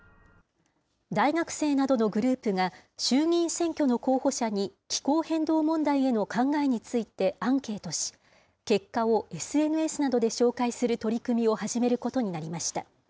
大学生などのグループが、衆議院選挙の候補者に、気候変動問題への考えについてアンケートし、結果をＳＮＳなどで紹介する取り組みを始めることになりました。